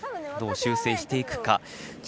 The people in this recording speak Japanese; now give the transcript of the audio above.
どう修正していくか。